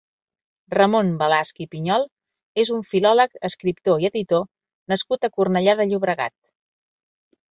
Ramon Balasch i Pinyol és un filòleg, escriptor i editor nascut a Cornellà de Llobregat.